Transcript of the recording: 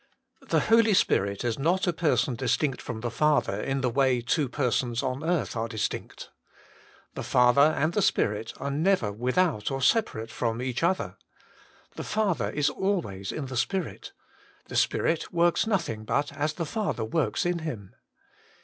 The Holy Spirit is not a person distinct 136 WAITING ON GOD/ from the Father in the way two persons on earth are distinct. The Father and the Spirit are never without or separate from each other : the Father is always in the Spirit; the Spirit works nothing but as the Father works in Him.